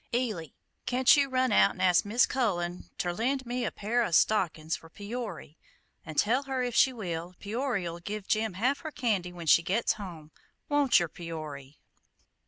Eily, can't you run out and ask Mis' Cullen ter lend me a pair o' stockin's for Peory, an' tell her if she will, Peory'll give Jim half her candy when she gets home. Won't yer, Peory?"